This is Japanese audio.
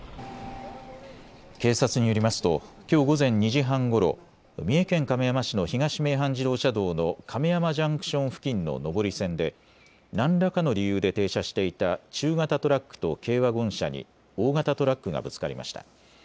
警察によりますときょう午前２時半ごろ、三重県亀山市の東名阪自動車道の亀山ジャンクション付近の上り線で何らかの理由で停車していた中型トラックと軽ワゴン車に大型トラックがぶつかりました。